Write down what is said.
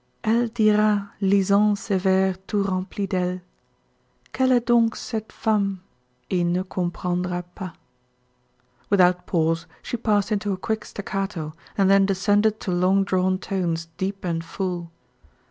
"Elle dira, lisant ces vers tout remplis d'elle: 'Quelle est donc cette femme?' et ne comprendra pas." Without pause she passed into a quick staccato and then descended to long drawn tones, deep and full.